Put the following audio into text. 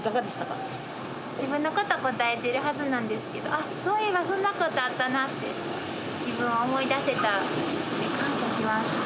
自分のこと答えてるはずなんですけど「そういえばそんなことあったな」って自分を思い出せた感謝します。